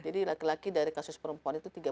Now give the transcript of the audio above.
jadi laki laki dari kasus perempuan itu